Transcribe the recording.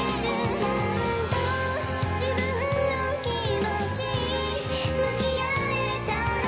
「ちゃんと自分の気持ち向き合えたら」